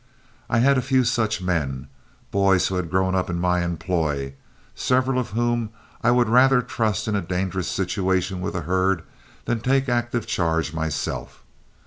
I had a few such men, boys who had grown up in my employ, several of whom I would rather trust in a dangerous situation with a herd than take active charge myself.